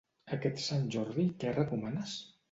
Aquest Sant Jordi, què recomanes?